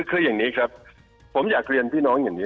คืออย่างนี้ครับผมอยากเรียนพี่น้องอย่างนี้